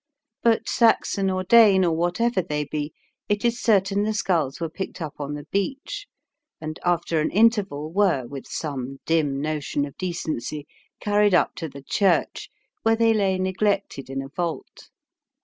But Saxon or Dane, or whatever they be, it is certain the skulls were picked up on the beach, and after an interval were, with some dim notion of decency, carried up to the church, where they lay neglected in a vault.